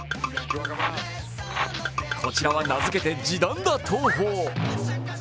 こちらは名付けて、じだんだ投法。